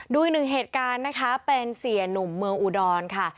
ดูอีกหนึ่งเหตุการณ์นะคะเป็นเสียหนุ่มเมืองอุดรค่ะ